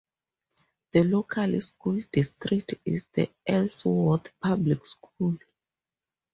The local school district is the Ellsworth Public School.